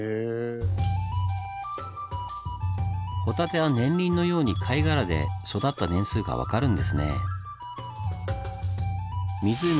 ホタテは年輪のように貝殻で育った年数が分かるんですね。